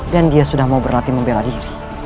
dan dia sudah mau berlatih membera diri